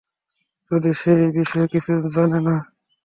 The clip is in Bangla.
যদিও সে এই বিষয়ে কিছুই জানে না।